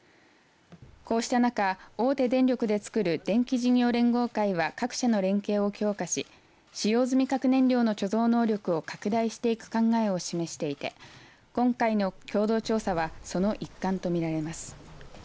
こうした中、大手電力で作る電気事業連合会は各社の連携を強化し使用済み核燃料の貯蔵能力を拡大していく考えを示していて今回の共同調査はその一環と見られます。